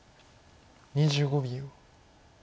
２５秒。